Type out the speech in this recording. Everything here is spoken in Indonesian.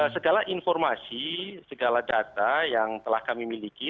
segala informasi segala data yang telah kami miliki